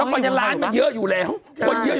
แล้วปัญญาร้านมันเยอะอยู่แล้ว